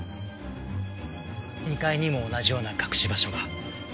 ２階にも同じような隠し場所が。